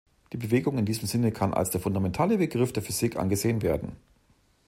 Die Bewegung in diesem Sinne kann als der fundamentale Begriff der Physik angesehen werden.